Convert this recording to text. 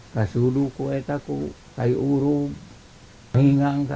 saya akan berbual dengan ayah